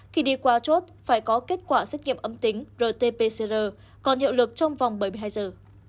khi đi qua chốt phải có kết quả xét nghiệm âm tính rt pcr còn hiệu lực trong vòng bảy mươi hai giờ